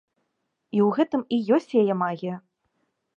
І ў гэтым і ёсць яе магія.